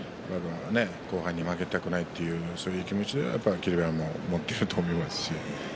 後輩に負けたくないというそういう気持ち霧馬山も持っていると思いますし。